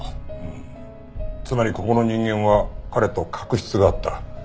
つまりここの人間は彼と確執があった。